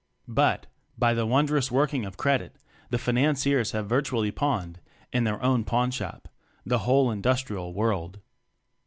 But, by the wondrous working of Credit" the "Financiers" have ' vir tually pawned (in their own pawn shop) the whole Industrial World!